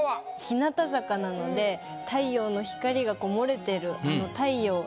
日向坂なので太陽の光が漏れてる。